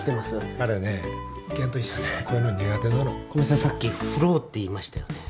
さっきフローって言いましたよね？